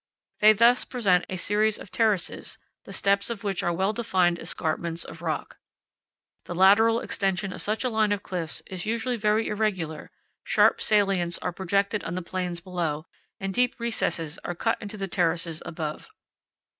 They thus present a series of terraces, the steps of which are well defined escarpments of rock. The lateral extension of such a line of cliffs is usually very irregular; sharp salients are projected on the plains below, and deep recesses are cut into the terraces above.